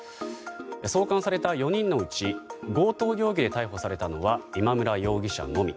送還された４人のうち強盗容疑で逮捕されたのは今村容疑者のみ。